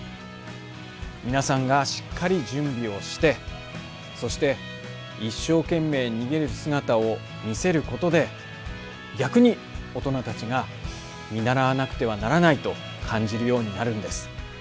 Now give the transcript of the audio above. みなさんがしっかり準備をしてそして一生懸命逃げる姿を見せることで逆に大人たちが見習わなくてはならないと感じるようになるんです。